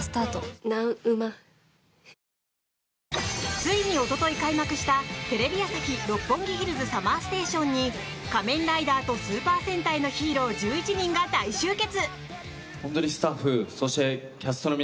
ついに一昨日開幕した「テレビ朝日・六本木ヒルズＳＵＭＭＥＲＳＴＡＴＩＯＮ」に仮面ライダーとスーパー戦隊のヒーロー１１人が大集結。